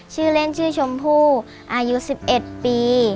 ชื่อเล่นชื่อชมพู่อายุ๑๑ปี